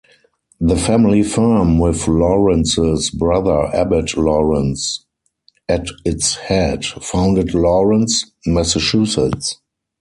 The family firm, with Lawrence's brother Abbott Lawrence at its head, founded Lawrence, Massachusetts.